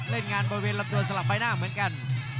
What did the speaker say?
เล่นงานหลับตัวสลับใบหน้าเหมือนกัน